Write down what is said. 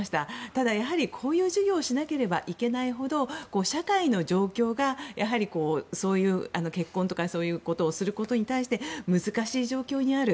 ただ、やはりこういう授業をしなければいけないほど社会の状況がやはり、そういう結婚することとかに対して難しい状況にある。